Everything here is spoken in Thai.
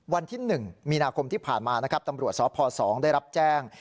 วันที่๑มีนาคมที่ผ่านมานะครับตำรวจสพ๒ได้รับแจ้ง